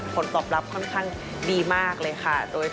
ผลตอบรับค่อนข้างดีมากเลยค่ะ